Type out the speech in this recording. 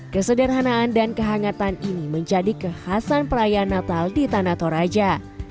kesederhanaan dan kehangatan ini menjadi kekhasan perayaan natal di tanah toraja